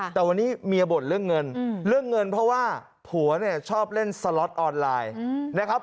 แต่วันนี้เมียบ่นเรื่องเงินเรื่องเงินเพราะว่าผัวเนี่ยชอบเล่นสล็อตออนไลน์นะครับ